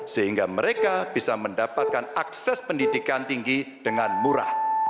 sehingga mereka bisa mendapatkan akses pendidikan tinggi dengan murah